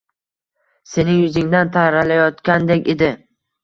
Sening yuzingdan taralayotgandek edi.